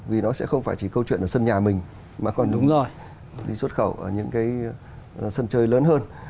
vì nó sẽ không phải chỉ câu chuyện ở sân nhà mình mà còn đúng nơi đi xuất khẩu ở những cái sân chơi lớn hơn